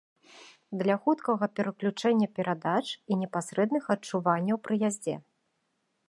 Для хуткага пераключэння перадач і непасрэдных адчуванняў пры яздзе.